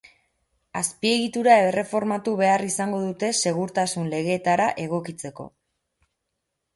Azpiegitura erreformatu behar izango dute segurtasun legeetara egokitzeko.